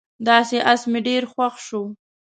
دغه اس مې ډېر خوښ شو.